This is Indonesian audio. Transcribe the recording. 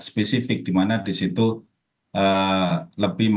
spesifik dimana disitu lebih banyak